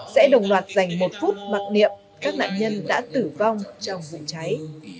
sẽ đồng loạt dành một phút mặc niệm các nạn nhân đã tử vong trong vụ cháy